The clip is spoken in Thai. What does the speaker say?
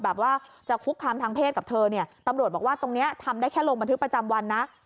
ว่าจะคุกคามทางเพศกับเธอเนี่ยตำรวจบอกว่าตรงนี้ทำได้แค่ลงบันทึกประจำวันนะ